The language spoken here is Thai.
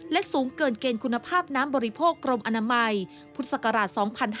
และสูงเกินเกณฑ์คุณภาพน้ำบริโภคกรมอนามัยพุทธศักราช๒๕๕๙